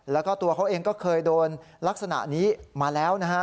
แล้วก็ตัวเขาเองก็เคยโดนลักษณะนี้มาแล้วนะฮะ